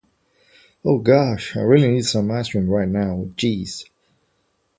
Oh gosh! I really need some ice cream right now. Oh Jeez!